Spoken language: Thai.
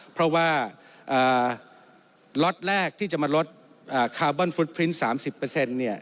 เพราะว่าล็อตแรกที่จะมาลดคาร์บอนฟุตพลิน๓๐เนี่ย